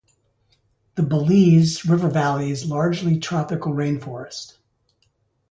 The Belize river valley is largely tropical rain forest.